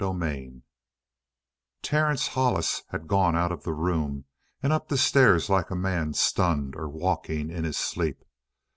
CHAPTER 13 Terence Hollis had gone out of the room and up the stairs like a man stunned or walking in his sleep.